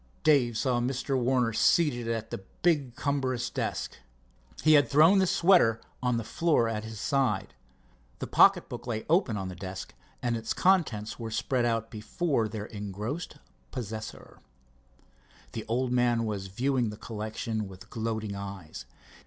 Dave saw Mr. Warner seated at the big cumbrous desk. He had thrown the sweater on the floor at his side. The pocket book lay open on the desk, and its contents were spread out before their engrossed possessor. The old man was viewing the collection with gloating eyes.